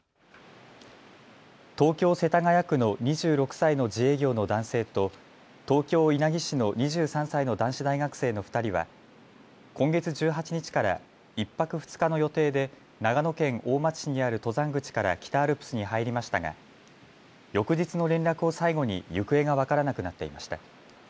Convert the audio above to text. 東京世田谷区の２６歳の自営業の男性と東京稲城市の２３歳の男子大学生の２人は今月１８日から１泊２日の予定で長野県大町市にある登山口から北アルプスに入りましたが翌日の連絡を最後に行方が分からなくなっていました。